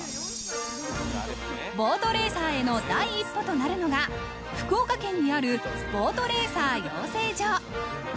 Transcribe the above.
ボートレーサーへの第一歩となるのが福岡県にあるボートレーサー養成所。